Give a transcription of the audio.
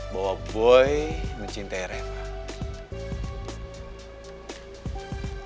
bahwa boy mencintai refah